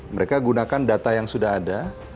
mereka gunakan data yang sudah ada